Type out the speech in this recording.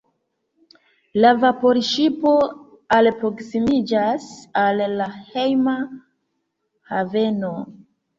La vaporŝipo alproksimiĝas al la hejma haveno.